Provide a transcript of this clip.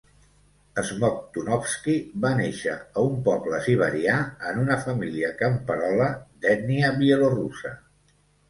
Smoktunovsky va néixer a un poble siberià en una família camperola d'ètnia bielorussa.